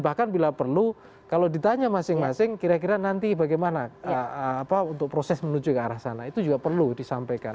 jadi itu kan bila perlu kalau ditanya masing masing kira kira nanti bagaimana apa untuk proses menuju ke arah sana itu juga perlu disampaikan